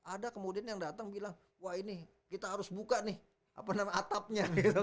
ada kemudian yang datang bilang wah ini kita harus buka nih atapnya